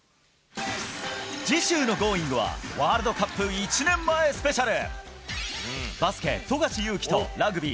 次週のＧｏｉｎｇ！は、ワールドカップ１年前スペシャル。